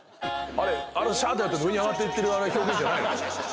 あれがシャーッてなって上に上がっていってる表現じゃないの？